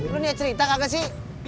lu niat cerita kagak sih